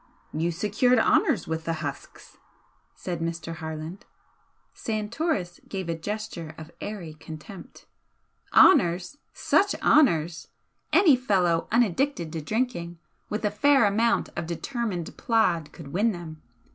"You secured honours with the husks," said Mr. Harland. Santoris gave a gesture of airy contempt. "Honours! Such honours! Any fellow unaddicted to drinking, with a fair amount of determined plod could win them.